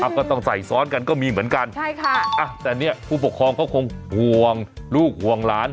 ก็ต้องใส่ซ้อนกันก็มีเหมือนกันใช่ค่ะอ่ะแต่เนี้ยผู้ปกครองเขาคงห่วงลูกห่วงหลาน